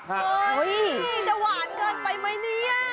เฮ้ยจะหวานเกินไปไหมเนี่ย